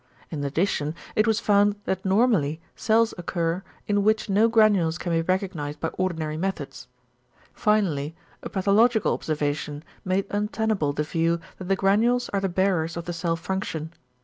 In addition it was found that normally cells occur in which no granules can be recognised by ordinary methods. Finally a pathological observation made untenable the view that the granules are the bearers of the cell function.